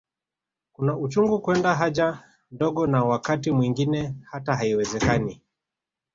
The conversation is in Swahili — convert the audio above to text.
Kuna uchungu kwenda haja ndogo na wakati mwingine hata haiwezekani